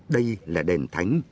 đây là đền thánh